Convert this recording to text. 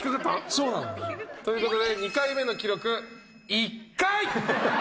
そうなの。ということで２回目の記録１回！